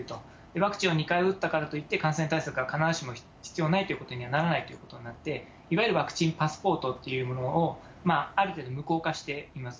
ワクチンを２回打ったからといって、感染対策は必ずしも必要ないということにはならないということになって、いわゆるワクチンパスポートというものを、ある程度無効化しています。